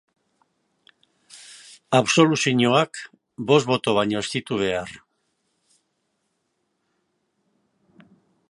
Absoluzioak bost boto baino ez ditu behar.